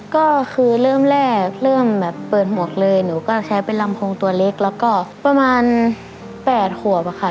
ก็คือเริ่มแรกเริ่มแบบเปิดหมวกเลยหนูก็ใช้เป็นลำโพงตัวเล็กแล้วก็ประมาณ๘ขวบอะค่ะ